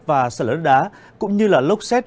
và sợi lớn đá cũng như là lốc xét